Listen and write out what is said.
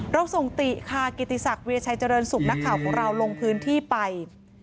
เราส่งติกค่ะนักข่าวการหลวงพื้นที่ไป